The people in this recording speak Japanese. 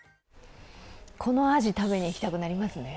このアジ食べに行きたくなりますね。